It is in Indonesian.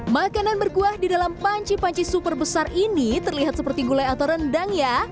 makanan berkuah di dalam panci panci super besar ini terlihat seperti gulai atau rendang ya